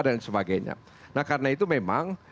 dan sebagainya nah karena itu memang